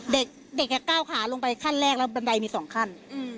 เด็กก้าวขาลงไปขั้นแรกแล้วบันไดมี๒ขั้น